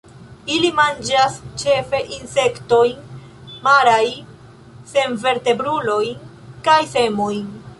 Ili manĝas ĉefe insektojn, marajn senvertebrulojn kaj semojn.